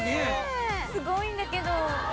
すごいんだけど！